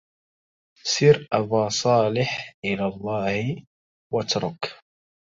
سر أبا صالح إلى الله واترك